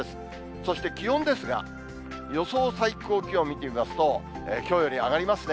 そして気温ですが、予想最高気温見てみますと、きょうより上がりますね。